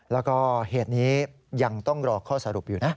แล้วก็เหตุนี้ยังต้องรอข้อสรุปอยู่นะ